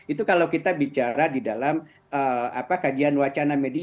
itu kalau kita bicara di dalam kajian wacana media